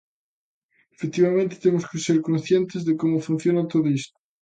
Efectivamente, temos que ser conscientes de como funciona todo isto.